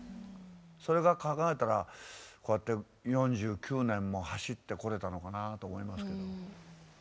それ考えたらこうやって４９年も走ってこれたのかなと思いますけど。